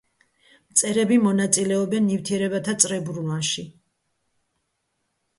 მწერები მონაწილეობენ ნივთიერებათა წრებრუნვაში.